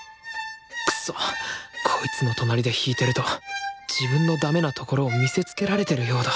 くそっこいつの隣で弾いてると自分のダメなところを見せつけられてるようだ